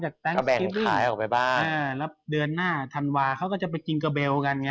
คือวาเขาก็จะไปจิงเกอร์เบลกันไง